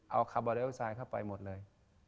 เอาคาร์โบเรอกไซค์เข้าไปหมดเลย